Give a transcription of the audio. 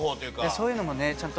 そういうのもねちゃんともっと。